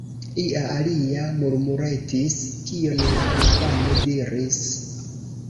la alia murmuretis, kion la infano diris.